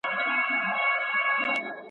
لاس دي راکه چي مشکل دي کړم آسانه `